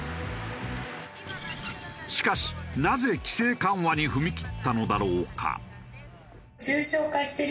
しかしなぜ規制緩和に踏み切ったのだろうか？